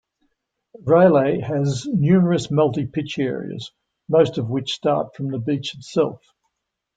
Railay has numerous multi-pitch areas most of which start from the beach itself.